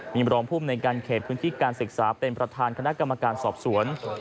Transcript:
มีมรองภูมิในการเขตพื้นที่การศึกษาเป็นประธานคณะกรรมการสอบสวน